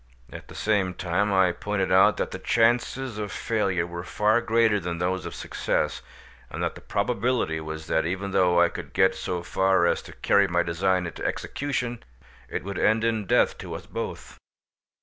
At the same time I pointed out that the chances of failure were far greater than those of success, and that the probability was that even though I could get so far as to carry my design into execution, it would end in death to us both.